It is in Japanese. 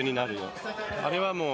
あれはもう。